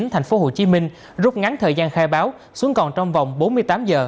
tp hcm rút ngắn thời gian khai báo xuống còn trong vòng bốn mươi tám giờ